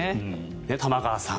玉川さん